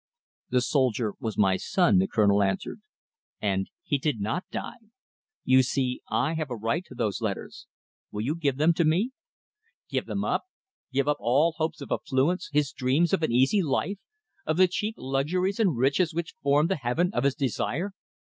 "The soldier was my son," the Colonel answered, "and he did not die. You see I have a right to those letters. Will you give them to me?" Give them up! Give up all his hopes of affluence, his dreams of an easy life, of the cheap luxuries and riches which formed the Heaven of his desire!